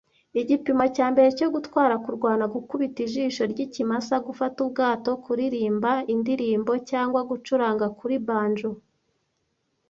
Igipimo cya mbere cyo gutwara, kurwana, gukubita ijisho ryikimasa, gufata ubwato, kuririmba indirimbo cyangwa gucuranga kuri banjo,